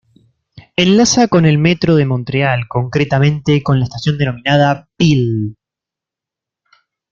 Enlaza con el metro de Montreal, concretamente con la estación denominada Peel.